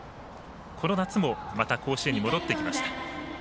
この夏もまた甲子園に戻ってきました。